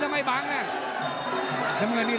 มันต้องอย่างงี้มันต้องอย่างงี้